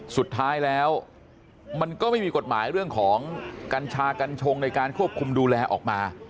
สุดท้ายแล้วมันก็ไม่มีกฎหมายเรื่องของกัญชากัญชงในการควบคุมดูแลออกมา